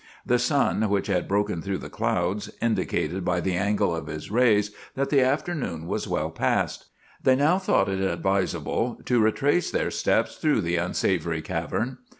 The sun, which had broken through the clouds, indicated by the angle of his rays that the afternoon was well past. They now thought it advisable to retrace their steps through the unsavory cavern.